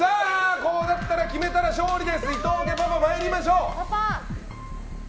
こうなったら決めたら勝利です、伊藤家パパ参りましょう。